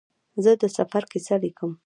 زه د سفر کیسه لیکم.